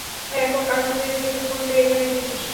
এখন কার কাছ থেকে ফোন পেয়ে এখানে এসেছিস?